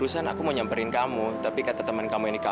sampai jumpa di video selanjutnya